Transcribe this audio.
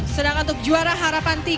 sedangkan untuk juara harapan tiga